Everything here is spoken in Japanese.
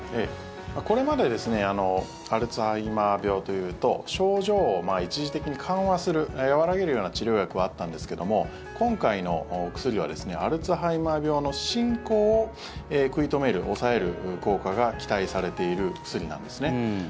これまでアルツハイマー病というと症状を一時的に緩和する和らげるような治療薬はあったんですけども今回の薬はアルツハイマー病の進行を食い止める、抑える効果が期待されている薬なんですね。